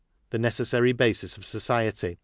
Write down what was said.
The Necessary Basis of Society.